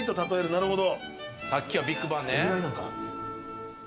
なるほど！